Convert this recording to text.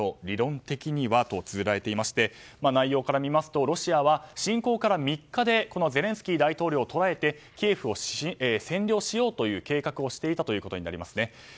理論的にはとつづられていまして内容から見ますとロシアは侵攻から３日でゼレンスキー大統領を捕えてキエフを占領しようという計画をしていたということになりますね。